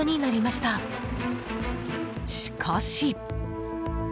しかし。